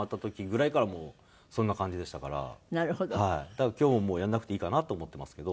だから今日はもうやらなくていいかなと思ってますけど。